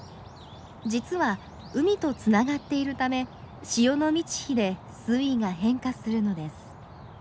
実は海とつながっているため潮の満ち干で水位が変化するのです。